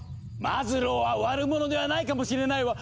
マズローは悪者ではないかもしれないわ。